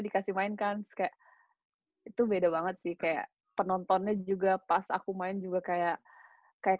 dikasih mainkan kayak itu beda banget sih kayak penontonnya juga pas aku main juga kayak kayak